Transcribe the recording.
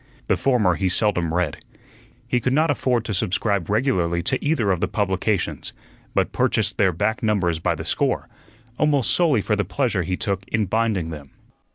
The former he seldom read. He could not afford to subscribe regularly to either of the publications, but purchased their back numbers by the score, almost solely for the pleasure he took in binding them.